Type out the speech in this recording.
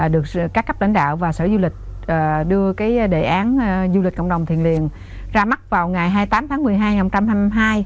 được các cấp lãnh đạo và sở du lịch đưa cái đề án du lịch cộng đồng thiền liền ra mắt vào ngày hai mươi tám tháng một mươi hai nghìn hai mươi hai